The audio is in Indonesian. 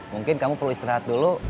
mungkin kamu perlu istirahat dulu